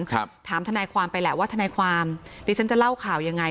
ถามทนายความไปแหละว่าทนายความดิฉันจะเล่าข่าวยังไง